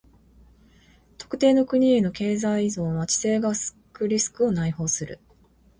特定の国への経済依存は地政学リスクを内包する。